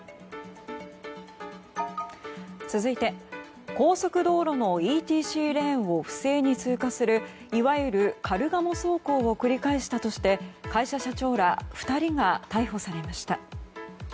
続いて、高速道路のＥＴＣレーンを不正に通過するいわゆるカルガモ走行を繰り返したとして会社社長ら２人が逮捕されました。